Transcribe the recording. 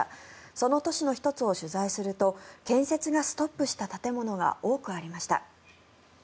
そのうちの１つを取材すると建設がストップした建物が多くありました。